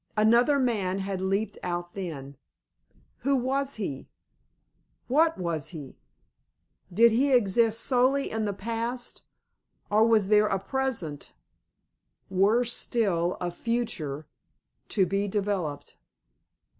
Another man had leaped out then. Who was he? What was he? Did he exist solely in the past, or was there a present worse still, a future to be developed?